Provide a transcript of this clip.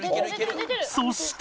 そして